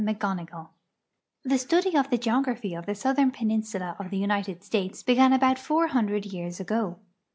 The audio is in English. MacGonigle The study of the geography of the southern peninsula of the United States began about 400 years ago.